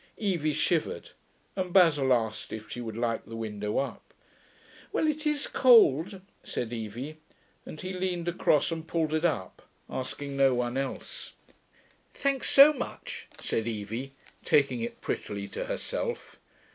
Evie shivered, and Basil asked if she would like the window up. 'Well, it is cold,' said Evie, and he leaned across and pulled it up, asking no one else. 'Thanks so much,' said Evie, taking it prettily to herself.